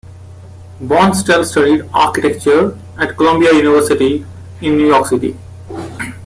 Bonestell studied architecture at Columbia University in New York City.